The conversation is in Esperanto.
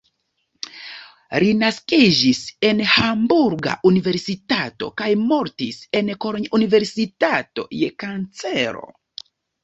Li naskiĝis en Hamburga Universitato kaj mortis en Kolonja Universitato je kancero.